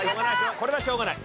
これはしょうがない。